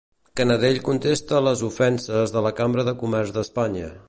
Canadell contesta a les ofenses de la Cambra de Comerç d'Espanya.